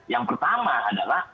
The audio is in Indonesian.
yang pertama adalah